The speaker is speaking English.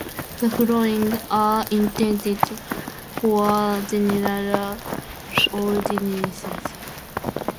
The following are intended for general audiences.